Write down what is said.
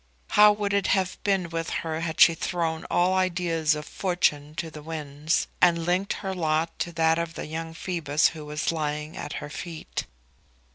How would it have been with her had she thrown all ideas of fortune to the winds, and linked her lot to that of the young Phoebus who was lying at her feet?